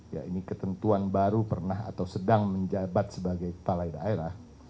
ya ini ketentuan baru pernah atau sedang menjabat sebagai kepala daerah